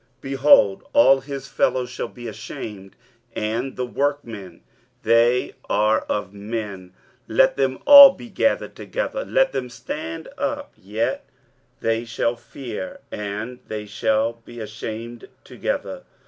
23:044:011 Behold, all his fellows shall be ashamed: and the workmen, they are of men: let them all be gathered together, let them stand up; yet they shall fear, and they shall be ashamed together.